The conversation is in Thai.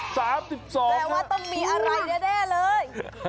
แต่ว่าต้องมีอะไรแน่เลย